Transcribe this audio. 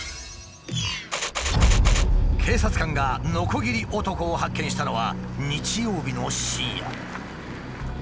警察官がノコギリ男を発見したのは日曜日の深夜。